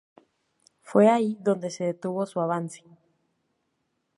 Fue ahí donde se detuvo su avance.